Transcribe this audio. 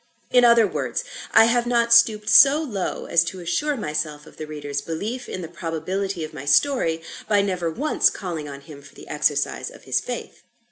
In other words, I have not stooped so low as to assure myself of the reader's belief in the probability of my story, by never once calling on him for the exercise of his faith.